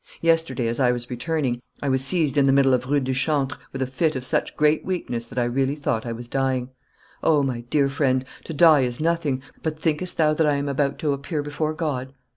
Yesterday, as I was returning, I was seized in the middle of Rue du Chantre with a fit of such great weakness that I really thought I was dying. O, my dear friend, to die is nothing; but thinkest thou that I am about to appear before God?